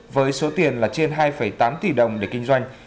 với số tiền là trên hai tám tỷ đồng để kinh doanh